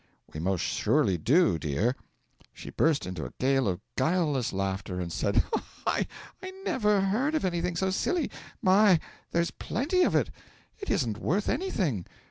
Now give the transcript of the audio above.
'We most surely do, dear.' She burst into a gale of guileless laughter, and said: 'Oh, I never heard of anything so silly! My! there's plenty of it it isn't worth anything.